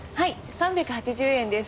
３８０円です。